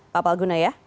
pak palguna ya